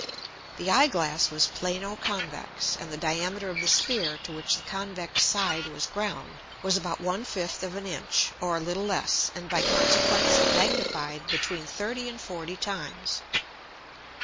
The Eye glass was Plano convex, and the diameter of the Sphere to which the convex side was ground was about 1/5 of an Inch, or a little less, and by consequence it magnified between 30 and 40 times.